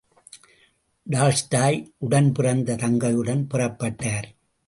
Tolstoy, உடன் பிறந்த தங்கையுடன் புறப்பட்டார்.